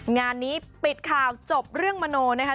งานนี้ปิดข่าวจบเรื่องมโนนะคะ